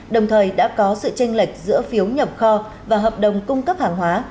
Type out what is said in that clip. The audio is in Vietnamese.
đồng thời đã có sự tranh lệch giữa phiếu nhập kho và hợp đồng cung cấp hàng hóa